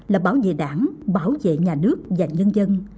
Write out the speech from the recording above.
là bảo vệ đảng bảo vệ nhà nước và nhân dân